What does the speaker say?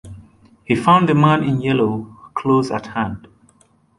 He found the man in yellow close at hand.